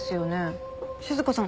静香さん